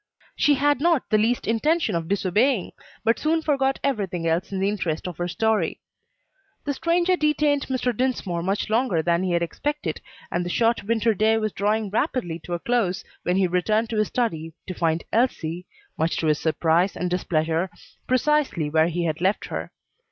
She had not the least intention of disobeying, but soon forgot everything else in the interest of her story. The stranger detained Mr. Dinsmore much longer than he had expected, and the short winter day was drawing rapidly to a close when he returned to his study, to find Elsie much to his surprise and displeasure precisely where he had left her.